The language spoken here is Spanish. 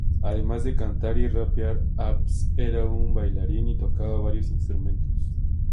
Además de cantar y rapear, Abs era un bailarín y tocaba varios instrumentos.